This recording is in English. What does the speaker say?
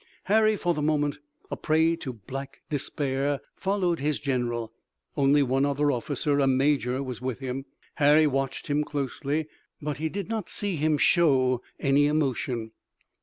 Harry, for the moment, a prey to black despair, followed his general. Only one other officer, a major, was with him. Harry watched him closely, but he did not see him show any emotion.